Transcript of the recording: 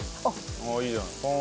おおいいじゃない。